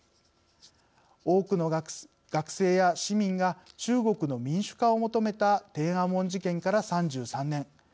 多くの学生や市民が中国の民主化を求めた天安門事件から３３年。